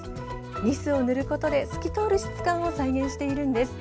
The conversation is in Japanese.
ニスを塗ることで透き通る質感を再現しているんです。